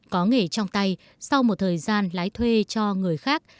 có nghề trong tay sau một thời gian lái thuê cho người khác